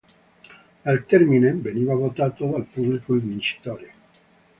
Al termine veniva votato dal pubblico il vincitore.